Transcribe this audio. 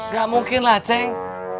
gak mungkin lah ceng